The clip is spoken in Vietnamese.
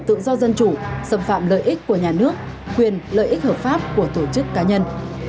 tự do dân chủ xâm phạm lợi ích của nhà nước quyền lợi ích hợp pháp của tổ chức cá nhân